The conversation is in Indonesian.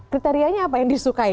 kriterianya apa yang disukai